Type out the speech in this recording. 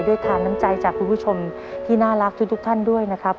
ทานน้ำใจจากคุณผู้ชมที่น่ารักทุกท่านด้วยนะครับ